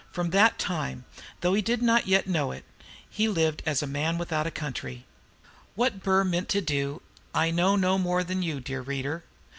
From that time, though he did not yet know it, he lived as A MAN WITHOUT A COUNTRY. What Burr meant to do I know no more than you, dear reader.